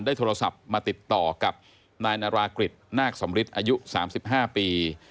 ได้โทรศัพท์มาติดต่อกับนายนรากฤทธิ์นาคสมฤทธิ์อายุ๓๕ปี